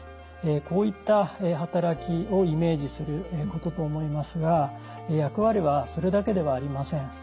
こういった働きをイメージすることと思いますが役割はそれだけではありません。